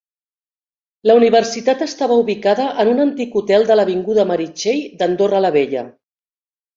La universitat estava ubicada en un antic hotel de l'avinguda Meritxell d'Andorra la Vella.